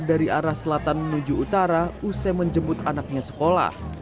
dari arah selatan menuju utara usai menjemput anaknya sekolah